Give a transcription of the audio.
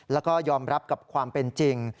แล้วก็ยอมรับกับความเป็นจริง